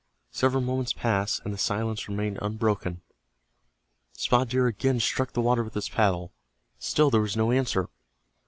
Several moments passed, and the silence remained unbroken. Spotted Deer again struck the water with his paddle. Still there was no answer.